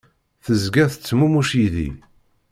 Tezga tettcmumuḥ yid-i.